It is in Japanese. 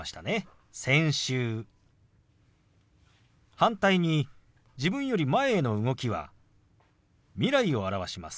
反対に自分より前への動きは未来を表します。